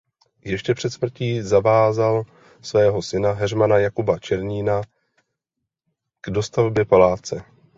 Ještě před smrtí zavázal svého syna Heřmana Jakuba Černína k dostavbě paláce.